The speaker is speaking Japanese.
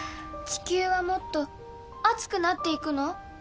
地球はもっと熱くなっていくの？